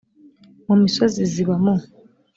mu misozi ziba mu